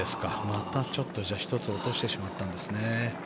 また１つ落としてしまったんですね。